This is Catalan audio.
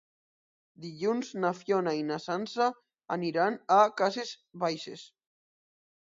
Dilluns na Fiona i na Sança aniran a Cases Baixes.